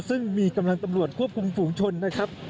ซึ่งมีกำลังตำรวจควบคุมฝูงชนนะครับ